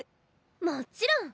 もちろん！